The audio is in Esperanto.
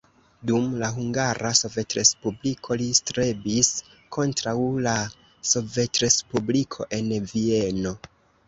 Dum la Hungara Sovetrespubliko li strebis kontraŭ la sovetrespubliko en Vieno.